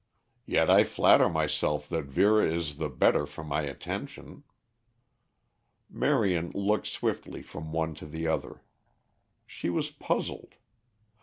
"Yet I flatter myself that Vera is the better for my attention." Marion looked swiftly from one to the other. She was puzzled.